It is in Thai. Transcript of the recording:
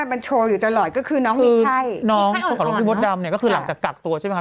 มันโชว์อยู่ตลอดก็คือน้องมีไข้น้องของหลวงพี่มดดำเนี่ยก็คือหลังจากกักตัวใช่ไหมครับ